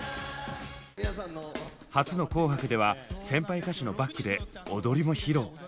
初の「紅白」では先輩歌手のバックで踊りも披露。